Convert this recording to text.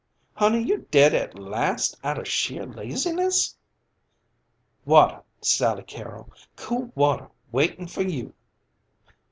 "Honey, you dead at last outa sheer laziness?" "Water, Sally Carrol! Cool water waitin' for you!"